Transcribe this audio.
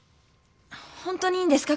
本当にいいんですか？